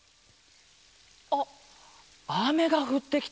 あっあめがふってきた。